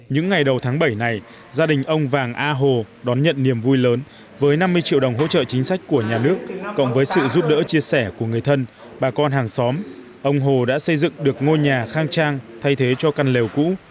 những ngày đầu tháng bảy này gia đình ông vàng a hồ đón nhận niềm vui lớn với năm mươi triệu đồng hỗ trợ chính sách của nhà nước cộng với sự giúp đỡ chia sẻ của người thân bà con hàng xóm ông hồ đã xây dựng được ngôi nhà khang trang thay thế cho căn lều cũ